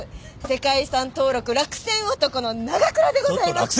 世界遺産登録落選男の長倉でございます」